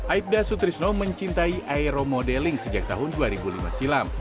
aibda sutrisno mencintai aero modeling sejak tahun dua ribu lima silam